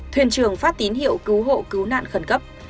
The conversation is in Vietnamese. thuyền trưởng phát tín hiệu cứu hộ cứu nạn khẩn cấp